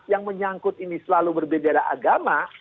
yang menyangkut ini selalu berbeda agama